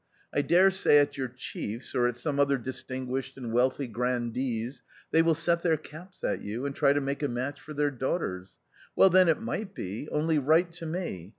I daresay at your chiefs or at some other distinguished and wealthy grandee's, they will set their caps at you and try to make a match for their daughters. Well, then, it might be, only write to me.